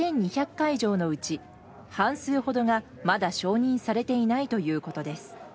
会場のうち半数ほどが、まだ承認されていないということです。